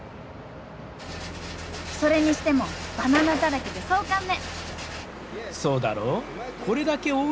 それにしてもバナナだらけで壮観ね！